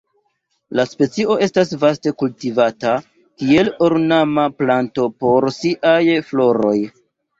La specio estas vaste kultivata kiel ornama planto por siaj floroj.